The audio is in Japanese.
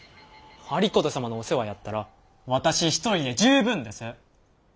有功様のお世話やったら私一人で十分です！